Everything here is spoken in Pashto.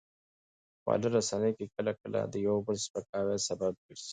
خواله رسنۍ کله ناکله د یو بل د سپکاوي سبب ګرځي.